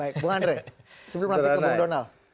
baik buk andri sebelum nanti ke buk donald